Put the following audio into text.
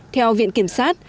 theo viện kiểm sát